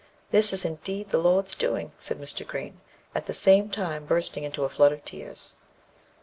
"This is indeed the Lord's doings," said Mr. Green, at the same time bursting into a flood of tears.